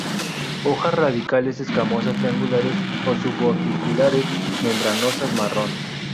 Hojas radicales escamosas triangulares o suborbiculares, membranosas, marrón.